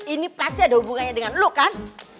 ini pasti ada hubungannya dengan lo kan